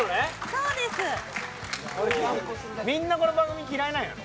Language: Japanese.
みんな、この番組嫌いなんやろ？